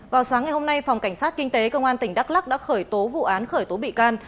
vào sáng ngày hôm nay phòng cảnh sát kinh tế công an tỉnh đắk lắc đã khởi tố vụ án khởi tố bị can